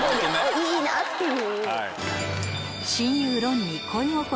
いいなっていう。